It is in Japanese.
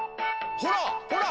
ほらほら